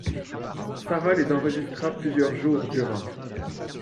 Sara les enregistra plusieurs jours durant